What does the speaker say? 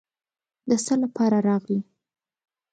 د څه لپاره راغلې.